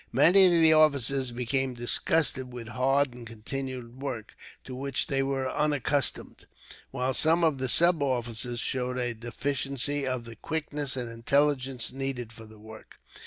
Many of the officers became disgusted with hard and continuous work, to which they were unaccustomed, while some of the sub officers showed a deficiency of the quickness and intelligence needed for the work.